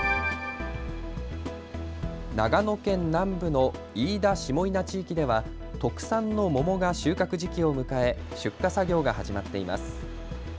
長野県南部の飯田下伊那地域では特産の桃が収穫時期を迎え出荷作業が始まっています。